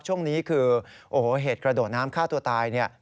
ช่วงนี้คือเหตุกระโดดน้ำฆ่าตัวตาย